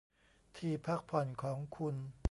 ที่พักผ่อนของคุณ